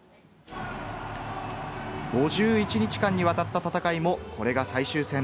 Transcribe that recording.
５１日間にわたった戦いもこれが最終戦。